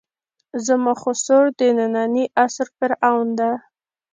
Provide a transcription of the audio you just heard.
زما خُسر د نني عصر فرعون ده.